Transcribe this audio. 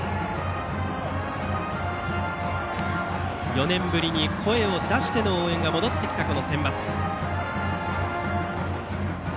４年ぶりに声を出しての応援が戻ってきた、このセンバツ。